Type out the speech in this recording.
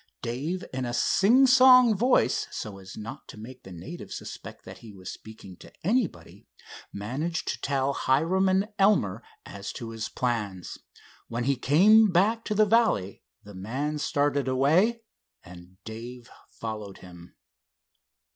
Dave in a sing song voice, so as not to make the native suspect that he was speaking to anybody, managed to tell Hiram and Elmer as to his plans. When he came back to the valley the man started away and Dave followed him.